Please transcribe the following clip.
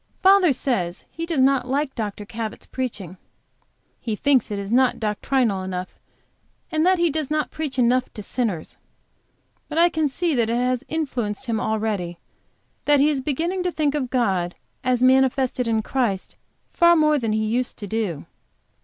Father says he does not like Dr. Cabot's preaching. He thinks that it is not doctrinal enough, and that he does not preach enough to sinners. But I can see that it has influenced him already, and that he is beginning to think of God, as manifested in Christ, far more than he used to do.